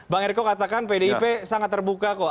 bang eriko katakan pdip sangat terbuka kok